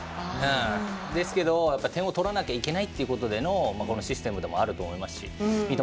ですけど、点を取らないといけないというところでのシステムでもあると思いますし三笘